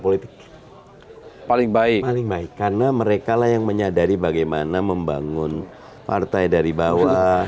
politik paling baik paling baik karena mereka lah yang menyadari bagaimana membangun partai dari bawah